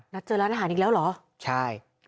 เจอร้านอาหารอีกแล้วเหรอใช่